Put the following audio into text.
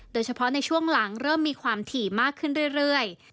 โดยเฉพาะในช่วงหลังเริ่มมีความถี่มากขึ้นเรื่อย